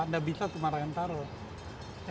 nggak bisa cuma orang yang taruh lah